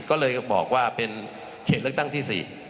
ก็เลยบอกว่าเป็นเขตเลือกตั้งที่๔